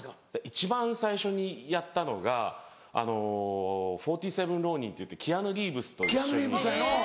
一番最初にやったのが『４７ＲＯＮＩＮ』っていってキアヌ・リーブスと一緒に。